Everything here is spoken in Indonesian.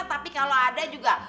tapi kalo ada juga